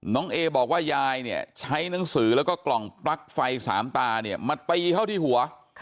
น้องเอ๋บอกว่ายายใช้หนังสือแล้วก็กล่องปรักฦ์ไฟ๓บาทมาตีเข้าที่หัว